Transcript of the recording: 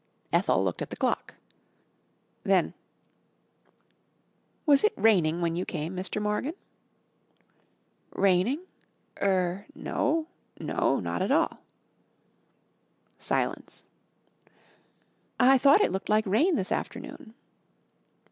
Ethel looked at the clock. Then "Was it raining when you came, Mr. Morgan?" "Raining? Er no. No not at all." Silence. "I thought it looked like rain this afternoon."